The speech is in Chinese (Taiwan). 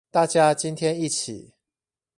大家今天一起